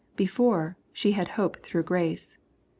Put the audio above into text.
Be fore, she had hope tliough grace.